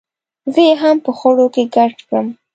زه یې هم په خړو کې ګډ کړم.